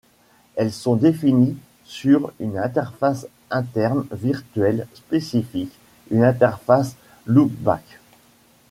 Elles sont définies sur une interface interne virtuelle spécifique: une interface loopback.